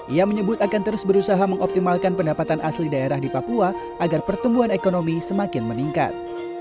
ia menyebut akan terus berusaha mengoptimalkan pendapatan asli daerah di papua agar pertumbuhan ekonomi semakin meningkat